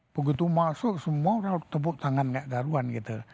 begitu masuk semua udah tepuk tangan kayak daruan gitu